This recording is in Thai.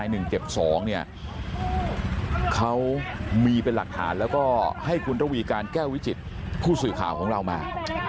หนึ่งเจ็บสองเนี่ยเขามีเป็นหลักฐานแล้วก็ให้คุณระวีการแก้ววิจิตผู้สวยข่าวของเรามา